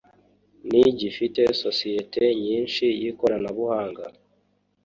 ni gifite sosiyete nyinshi y’ikoranabuhanga